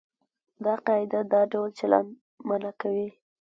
دا قاعده دا ډول چلند منع کوي.